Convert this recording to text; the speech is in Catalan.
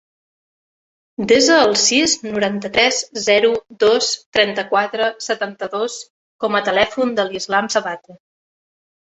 Desa el sis, noranta-tres, zero, dos, trenta-quatre, setanta-dos com a telèfon de l'Islam Sabate.